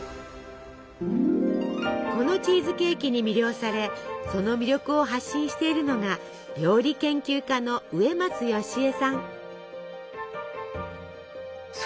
このチーズケーキに魅了されその魅力を発信しているのが料理研究家の植松良枝さん。